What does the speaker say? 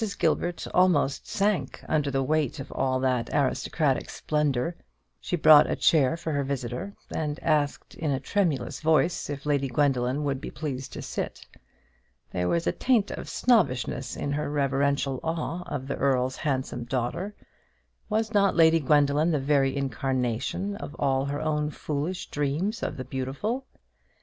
Gilbert almost sank under the weight of all that aristocratic splendour. She brought a chair for her visitor, and asked in a tremulous voice if Lady Gwendoline would be pleased to sit. There was a taint of snobbishness in her reverential awe of the Earl's handsome daughter. Was not Lady Gwendoline the very incarnation of all her own foolish dreams of the beautiful?